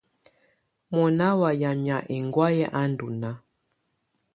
Mɔnà wa yamɛ̀á ɛŋgɔ̀áyɛ̀ à ndù nàà.